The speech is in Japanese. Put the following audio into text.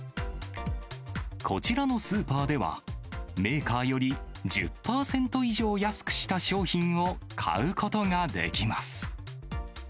こちらのスーパーでは、メーカーより１０％以上安くした商品を買うことができます。